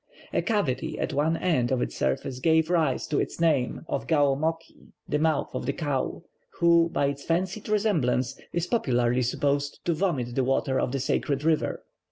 A cavity at one end of its surface gave rise to its name of Gaoumokhi, the mouth of the cow, who, by its fancied resemblance, is popularly supposed to vomit the water of the sacred river.